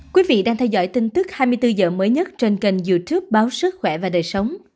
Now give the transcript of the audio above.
quý vị đang theo dõi tin tức hai mươi bốn h mới nhất trên kênh dự trữ báo sức khỏe và đời sống